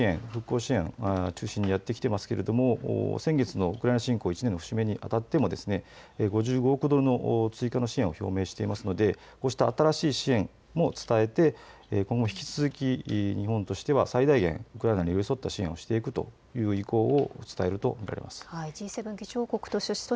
これまでも日本は人道支援、復興支援を中心にやってきていますが、先月のウクライナ侵攻１年の節目にあたっても５５億ドルの追加の支援を表明しているのでこうした新しい支援も伝えて今後、引き続き日本としては最大限ウクライナに寄り添った支援をしていくという意向を伝えると見られます。